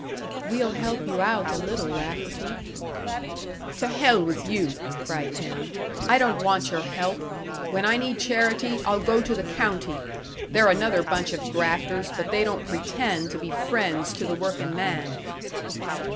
"We'll help you out a little, Rafferty " "To hell with you!" cried Tim. "I don't want your help! When I need charity, I'll go to the county. They're another bunch of grafters, but they don't pretend to be friends to the workin' man."